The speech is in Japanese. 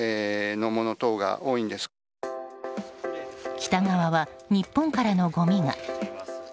北側は、日本からのごみが。